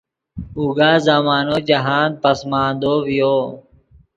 اوگا زمانو جاہند پسماندو ڤیو